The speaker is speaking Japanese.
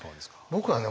僕はね